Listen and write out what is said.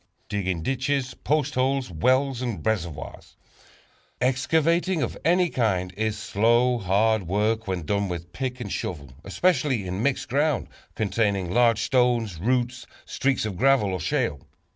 Digging Ditches, Post Holes, Wells and Reservoirs. Excavating of any kind is slow, hard work when done with pick and shovel, especially in mixed ground containing large stones, roots, streaks of gravel or shale.